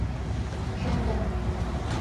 — Кӧн гын?